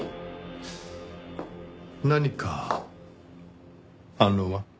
何か反論は？